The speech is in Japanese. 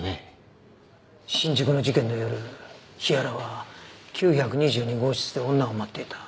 新宿の事件の夜日原は９２２号室で女を待っていた。